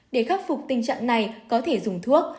để khắc phục tình trạng này có thể dùng thuốc